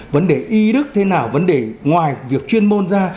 vấn đề y đức thế nào vấn đề ngoài việc chuyên môn ra